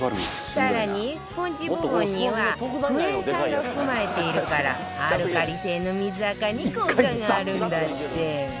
更にスポンジ部分にはクエン酸が含まれているからアルカリ性の水アカに効果があるんだって